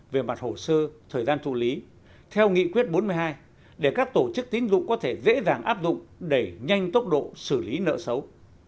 về mặt hồ sơ thời gian thụ lý theo nghị quyết bốn mươi hai để các tổ chức tín dụng có thể dễ dàng áp dụng đẩy nhanh tốc độ xử lý nợ xấu